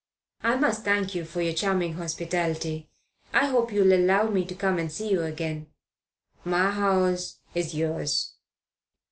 "I must thank you for your charming hospitality. I hope you'll allow me to come and see you again." "My house is yours."